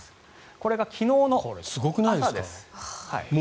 これが昨日の朝です。